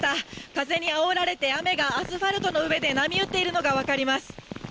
風にあおられて、雨がアスファルトの上で波打っているのが分かります。